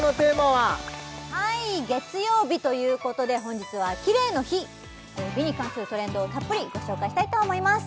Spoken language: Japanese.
はい月曜日ということで本日はキレイの日美に関するトレンドをたっぷりご紹介したいと思います